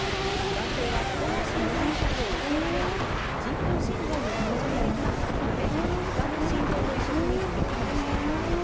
男性は人の心臓移植を受けられず、人工心臓も装着できなかったため、豚の心臓の移植に踏み切りました。